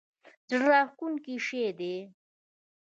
زړه راښکونکی شی دی.